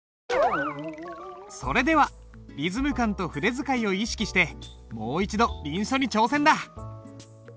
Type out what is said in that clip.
それではリズム感と筆使いを意識してもう一度臨書に挑戦だ。